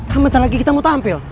kan bentar lagi kita mau tampil